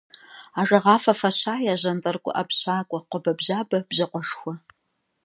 Ажэгъафэ фащае, жьантӏэрыкӏуэ ӏэпщакӏуэ, къуэбэбжьабэ бжьакъуэшхуэ.